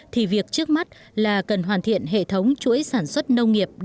thì việc trước mắt là cần hoàn thiện hệ thống chuỗi sản xuất nông nghiệp